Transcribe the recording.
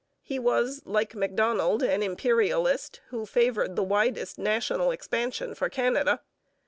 He was, like Macdonald, an Imperialist who favoured the widest national expansion for Canada.